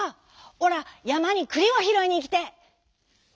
おらやまにくりをひろいにいきてえ」。